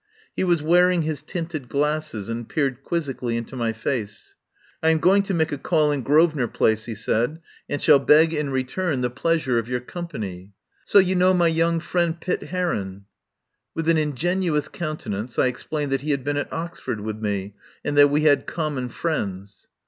He was wearing his tinted glasses and peered quizzically into my face. "I am going to make a call in Grosvenor Place," he said, "and shall beg in return the 108 THE TRAIL OF THE SUPER BUTLER pleasure of your company. So you know my young friend, Pitt Heron?" With an ingenuous countenance I explained that he had been at Oxford with me and that we had common friends.